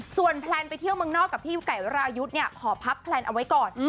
ส่วนแพลนไปเที่ยวเมืองนอกกับพี่ไก่วรายุทธ์เนี่ยขอพับแพลนเอาไว้ก่อน